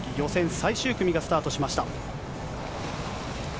最終組がスタートしました。